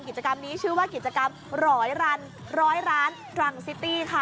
กิจกรรมนี้ชื่อว่ากิจกรรมร้อยรันร้อยร้านรังซิตี้ค่ะ